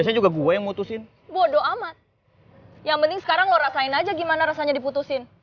yang penting sekarang lo rasain aja gimana rasanya diputusin